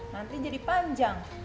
nanti jadi panjang